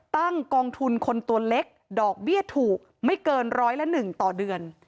กองทุนคนตัวเล็กดอกเบี้ยถูกไม่เกินร้อยละ๑ต่อเดือน